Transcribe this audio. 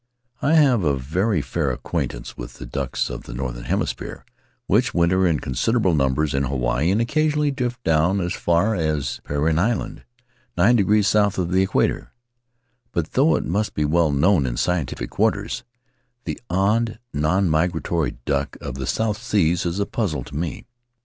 I have a very fair acquaintance with the ducks of the northern hemisphere, which winter in considerable numbers in Hawaii and occasionally drift down as far as Penrhyn Island, nine degrees south of the equator; but though it must be well known in scientific quarters, the odd nonmigratory duck of the South Seas is a puzzle to me.